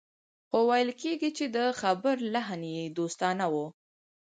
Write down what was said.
خو ويل کېږي چې د خبرو لحن يې دوستانه و.